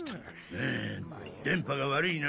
うん電波が悪いな。